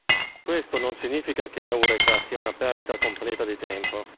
Questo non significa che "Eureka" sia una perdita completa di tempo.